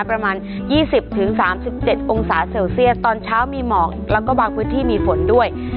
ประมาณยี่สิบถึงสามสิบเจ็ดองศาเซลเซียตอนเช้ามีหมอกแล้วก็บางพื้นที่มีฝนด้วย